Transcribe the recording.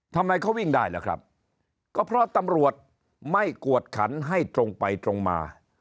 ทำไมเขาวิ่งได้ล่ะครับก็เพราะตำรวจไม่กวดขันให้ตรงไปตรงมา